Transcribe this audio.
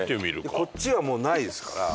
こっちはもうないですから。